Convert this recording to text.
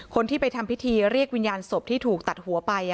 คนที่ไปทำพิธีเรียกวิญญาณศพที่ถูกตัดหัวไป